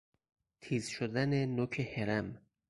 تیز شدن نوک هرم